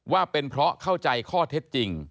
ว่าเป็นเพราะเข้าใจข้อเท็จจริง